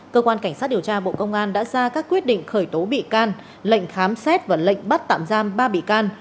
cơ quan cảnh sát điều tra bộ công an đã ra các quyết định khởi tố bị can lệnh khám xét và lệnh bắt tạm giam ba bị can